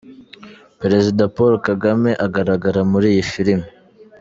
Perezida Paul Kagame agaragara muri iyi filime.